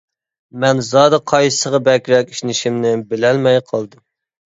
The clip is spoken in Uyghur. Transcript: مەن زادى قايسىسىغا بەكرەك ئىشىنىشىمنى بىلەلمەي قالدىم.